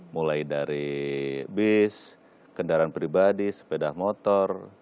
mulai dari bis kendaraan pribadi sepeda motor